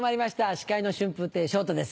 司会の春風亭昇太です。